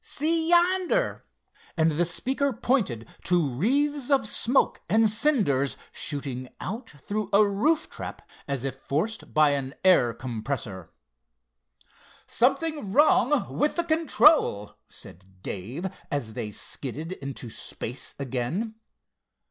See, yonder!" and the speaker pointed to wreaths of smoke and cinders shooting out through a roof trap as if forced by an air compressor. "Something wrong with the control," said Dave, as they skidded into space again.